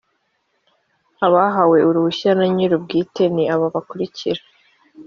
abahawe uruhushya na nyir’ubwite ni aba bakurikira